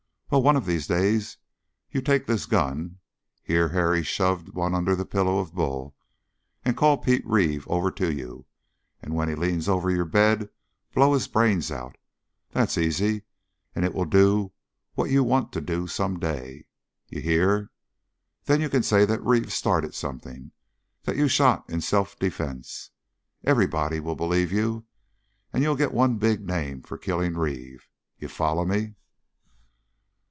Well, one of these days you take this gun" here Harry shoved one under the pillow of Bull "and call Pete Reeve over to you, and when he leans over your bed, blow his brains out! That's easy, and it'll do what you'll want to do someday. You hear? Then you can say that Reeve started something that you shot in self defense. Everybody'll believe you, and you'll get one big name for killing Reeve! You foller me?"